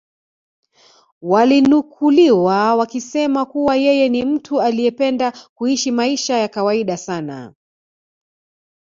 walinukuliwa wakisema kuwa yeye ni mtu aliyependa kuishi maisha ya kawaida sana